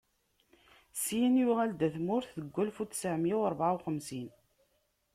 Syin yuɣal-d ɣer tmurt deg walef u ttɛemya u ṛebɛa u xemsin.